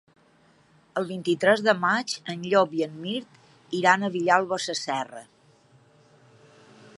El vint-i-tres de maig en Llop i en Mirt iran a Vilalba Sasserra.